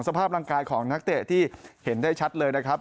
สภาพร่างกายของนักเตะที่เห็นได้ชัดเลยนะครับ